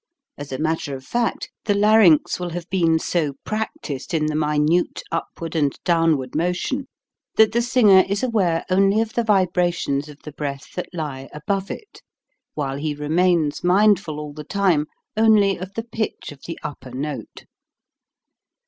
As a matter of fact, the larynx will have been so practised in the minute upward and downward motion, that the singer is aware only of the vibrations of the breath that lie above it, while he remains mindful all the time only of the pitch of the upper note.